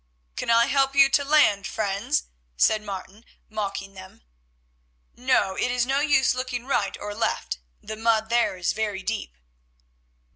"Can I help you to land, friends?" said Martin, mocking them. "No, it is no use looking right or left, the mud there is very deep."